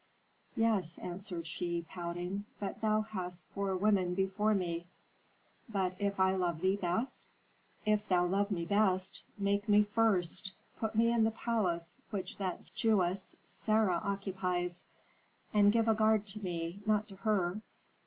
"Yes," answered she, pouting, "but thou hadst four women before me." "But if I love thee best?" "If thou love me best, make me first, put me in the palace which that Jewess Sarah occupies, and give a guard to me, not to her.